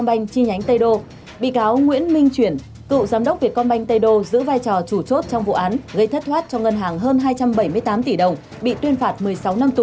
bị cáo nguyễn minh chuyển cựu giám đốc việt công banh tây đô giữ vai trò chủ chốt trong vụ án gây thất thoát cho ngân hàng hơn hai trăm bảy mươi tám tỷ đồng bị tuyên phạt một mươi sáu năm tù